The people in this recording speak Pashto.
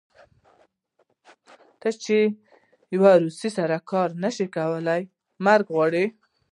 ته چې د يو روسي کار نشې کولی مرګ وغواړه.